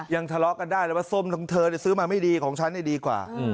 ทะเลาะกันได้เลยว่าส้มของเธอซื้อมาไม่ดีของฉันดีกว่า